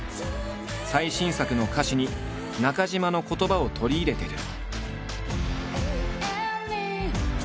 最新作の歌詞に中島の言葉を取り入れている。